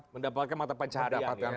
mendapatkan mata pencaharian